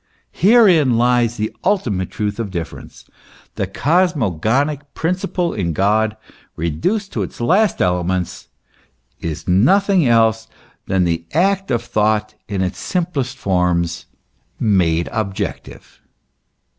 Herein lies the ultimate truth of difference. The cosmogonic principle in God, reduced to its last elements, is nothing else than the act of thought in its simplest forms, made objective.